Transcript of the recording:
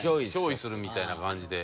憑依するみたいな感じで。